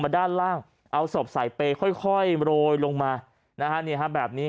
ด้านล่างเอาศพใส่เปย์ค่อยโรยลงมานะฮะนี่ฮะแบบนี้